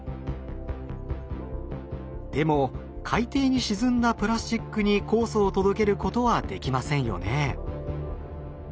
でも海底に沈んだプラスチックに酵素を届けることはできませんよね。